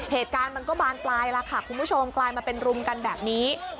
เหตุการณ์มันก็บานปลายแล้วค่ะคุณผู้ชมกลายมาเป็นรุมกันแบบนี้